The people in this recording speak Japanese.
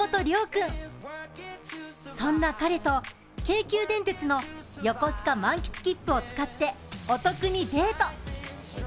君、そんな彼と京急電鉄のよこすか満喫きっぷを使ってお得にデート。